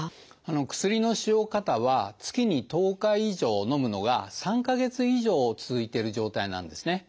薬の使用過多は月に１０日以上のむのが３か月以上続いてる状態なんですね。